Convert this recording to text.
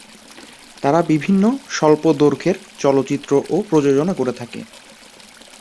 তারা বিভিন্ন স্বল্পদৈর্ঘ্যের চলচ্চিত্রও প্রযোজনা করে থাকে।